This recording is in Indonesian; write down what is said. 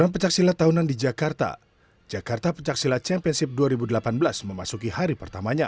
pagelaran event jakarta pencaksilat championship dua ribu delapan belas